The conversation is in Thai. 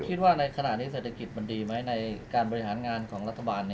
คิดว่าในขณะนี้เศรษฐกิจมันดีไหมในการบริหารงานของรัฐบาล